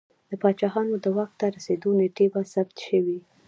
د پاچاهانو د واک ته رسېدو نېټې په کې ثبت شوې